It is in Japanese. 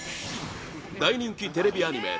大人気テレビアニメ